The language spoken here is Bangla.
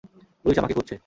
পুলিশ আমাকে খুঁজছে।